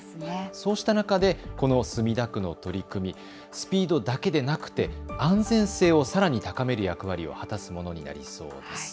そうした中でこの墨田区の取り組み、スピードだけでなくて安全性をさらに高める役割を果たすものになりそうです。